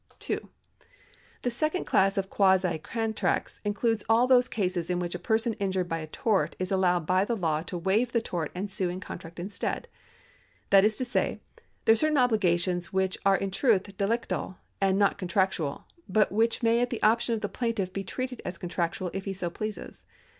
2. The second class of quasi contracts includes all those cases in which a person injured by a tort is allowed by the law to waive the tort and sue in contract instead. That is to say, there are certain obligations which are in truth delictal, and not contractual, but which may at the option of the plaintiff be treated as contractual, if he so pleases.